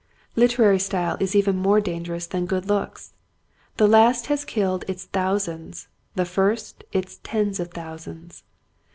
Literary style is even more dangerous than good looks. The last has killed its thousands, the first its tens of thousands.